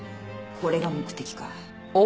これが目的か。